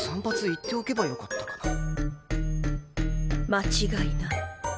間違いない。